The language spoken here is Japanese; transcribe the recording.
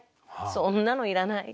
そんなのいらない。